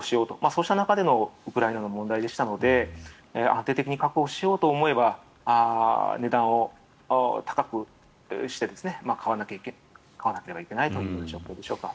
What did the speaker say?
そうした中でのウクライナでの問題でしたので安定的に確保しようと思えば値段を高くして買わなければいけないという状況でしょうか。